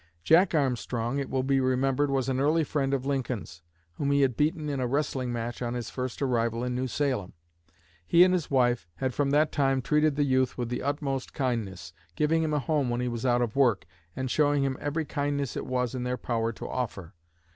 Jack Armstrong, it will be remembered, was an early friend of Lincoln's, whom he had beaten in a wrestling match on his first arrival in New Salem. He and his wife had from that time treated the youth with the utmost kindness, giving him a home when he was out of work, and showing him every kindness it was in their power to offer.